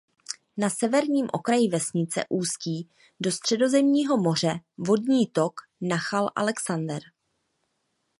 Na severním okraji vesnice ústí do Středozemního moře vodní tok Nachal Alexander.